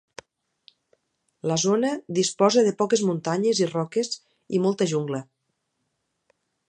La zona disposa de poques muntanyes i roques i molta jungla.